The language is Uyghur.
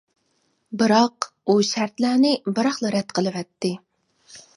بىراق، ئۇ شەرتلەرنى بىراقلا رەت قىلىۋەتتى.